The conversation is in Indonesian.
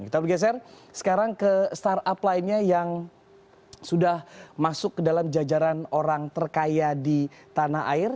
kita bergeser sekarang ke startup lainnya yang sudah masuk ke dalam jajaran orang terkaya di tanah air